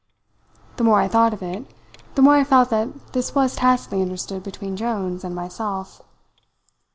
The more I thought of it, the more I felt that this was tacitly understood between Jones and myself.